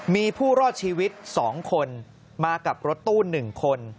มีผู้รอดชีวิต๒คนมากับรถตู้๑คน